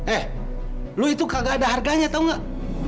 eh lu itu kagak ada harganya tau gak